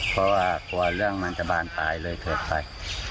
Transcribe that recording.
เพราะว่ากลัวเรื่องมันจะบานปลายเลยเกิดไป